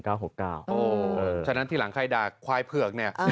เพราะฉะนั้นทีหลังใครด่าควายเผือกเนี่ย